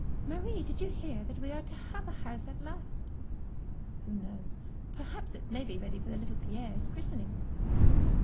Marie, did yon hear that we are to have a house at last ? Who knows, perhaps it may be ready for the little Pierre's christening.